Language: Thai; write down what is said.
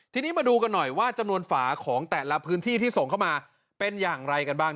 ทีนี้มาดูกันหน่อยว่าจำนวนฝาของแต่ละพื้นที่ที่ส่งเข้ามาเป็นอย่างไรกันบ้าง